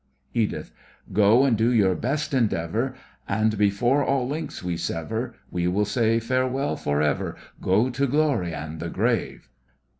EDITH: Go and do your best endeavour, And before all links we sever, We will say farewell for ever. Go to glory and the grave!